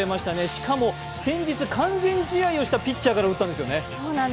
しかも、先日、完全試合をしたピッチャーから打ったんですよね。